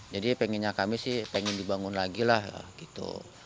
jadi pengennya kami sih pengen dibangun lagi lah gitu